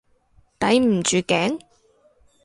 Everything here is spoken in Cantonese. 抵唔住頸？